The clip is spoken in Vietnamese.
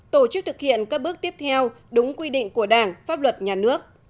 tổ chức thực hiện các bước tiếp theo đúng quy định của đảng pháp luật nhà nước